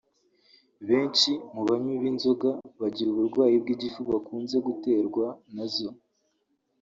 Benshi mu banywi b’inzoga bagira uburwayi bw’igifu bakunze guterwa na zo